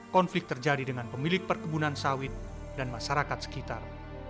konflik terjadi dengan pemilik perkebunan sawit dan masyarakat sekitar